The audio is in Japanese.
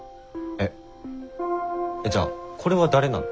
えっじゃあこれは誰なの？